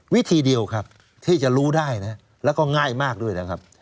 วิธีเดียวครับที่จะรู้ได้นะแล้วก็ง่ายมากด้วยนะครับ